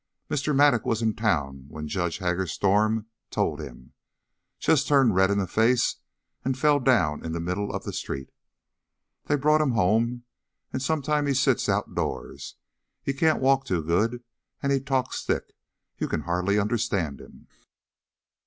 Mr. Mattock was in town when Judge Hagerstorm told him ... just turned red in the face and fell down in the middle of the street. They brought him home, and sometimes he sits outdoors. But he can't walk too good and he talks thick; you can hardly understand him."